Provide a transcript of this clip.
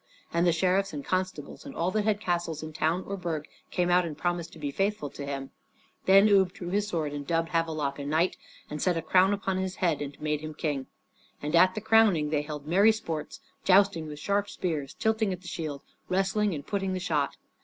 And the sheriffs and constables and all that held castles in town or burg came out and promised to be faithful to him. Then Ubbe drew his sword and dubbed Havelok a knight, and set a crown upon his head and made him King. And at the crowning they held merry sports jousting with sharp spears, tilting at the shield, wrestling, and putting the shot.